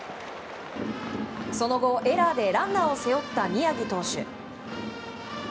その後、エラーでランナーを背負った宮城投手。